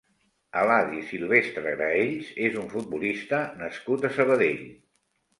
Eladi Silvestre Graells és un futbolista nascut a Sabadell.